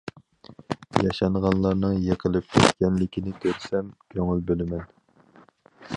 ياشانغانلارنىڭ يېقىلىپ كەتكەنلىكىنى كۆرسەم كۆڭۈل بۆلىمەن.